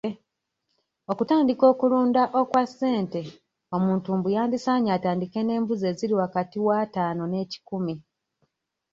Okutandika okulunda okwa ssente omuntu mbu yandisaanye atandike n'embuzi eziri wakati w'ataano n'ekikumi.